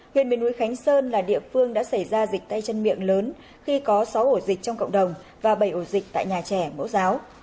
huyện miền núi khánh sơn là địa phương đã xảy ra dịch tay chân miệng lớn khi có sáu ổ dịch trong cộng đồng và bảy ổ dịch tại nhà trẻ mẫu giáo